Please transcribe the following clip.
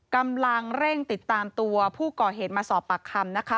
กำลังเร่งติดตามตัวผู้ก่อเหตุมาสอบปากคำนะคะ